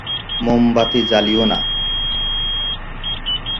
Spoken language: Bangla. মোমবাতি জ্বালিও না।